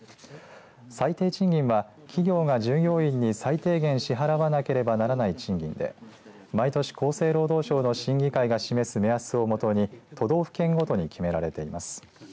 最低賃金は企業が従業員に最低限支払わなければならない賃金で毎年、厚生労働省の審議会が示す目安をもとに都道府県ごとに決められています。